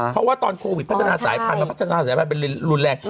เพราะว่าตอนโควิดพัฒนาสายพันธุมันพัฒนาสายพันธุรุนแรง